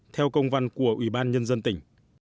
theo công văn của ubnd tỉnh